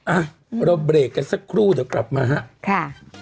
อ่ะเราเบรกกันสักครู่เดี๋ยวกลับมาฮะค่ะ